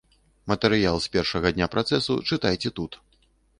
Матэрыял з першага дня працэсу чытайце тут.